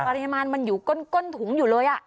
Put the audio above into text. ปริมาณมันอยู่ก้นถุงอยู่เลย